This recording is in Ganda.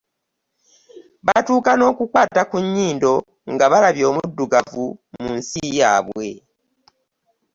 Batuuka n'okukwata ku nnyindo nga balabye omuddugavu mu nsi yaabwe